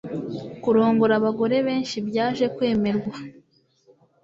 kurongora abagore benshi byaje kwemerwa